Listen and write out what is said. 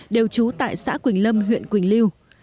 đều trú tại xã quỳnh lâm huyện quỳnh lưu